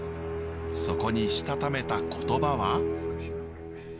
そこにしたためた言葉は？